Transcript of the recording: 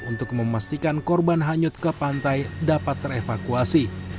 untuk memastikan korban hanyut ke pantai dapat terevakuasi